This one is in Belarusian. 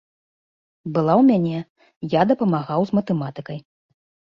Была ў мяне, я дапамагаў з матэматыкай.